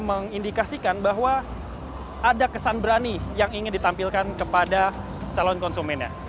mengindikasikan bahwa ada kesan berani yang ingin ditampilkan kepada calon konsumennya